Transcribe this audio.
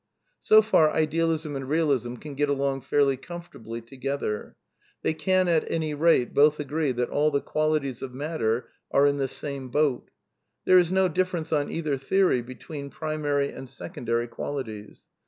So far Idealism and Eealism can get along fairly com fortably together: they can, at any rate, both agree that all the qualities of matter are in the same boat: there is no difference on either theory between primary and secondary qualities.